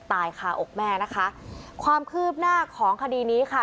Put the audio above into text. ตายคาอกแม่นะคะความคืบหน้าของคดีนี้ค่ะ